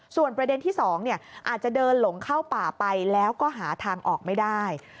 ส่วนประเด็นที่๒อาจจะเดินหลงเข้าป่าไปแล้วก็หาทางออกไม่ได้